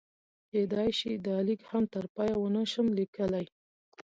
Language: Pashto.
کېدای شي دا لیک هم تر پایه ونه شم لیکلی.